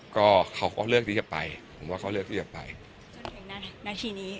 ก็เขาก็เลือกที่จะไปผมว่าเขาเลือกที่จะไปจนถึงนาทีนี้